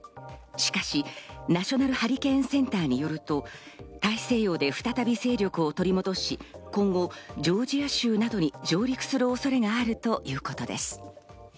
しかし、ナショナルハリケーンセンターによると、大西洋で再び勢力を取り戻し、今後、ジョージア州などに上陸する恐れがあるということです。